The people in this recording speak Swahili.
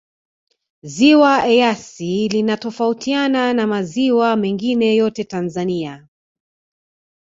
ziwa eyasi linatofautiana na maziwa mengine yote tanzania